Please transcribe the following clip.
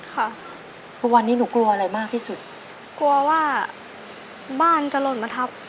ค่ะทุกวันนี้หนูกลัวอะไรมากที่สุดกลัวว่าบ้านจะหล่นมาทับ